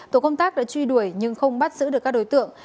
tổ công tác đã truy đuổi nhưng không bắt giữ được các đối tượng